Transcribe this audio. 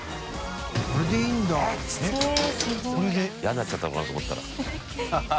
嫌になっちゃったのかなと思ったら。